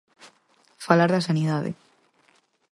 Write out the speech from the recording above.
Falar da sanidade.